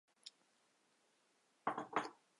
担仔面是一种发源于台湾台南的小吃。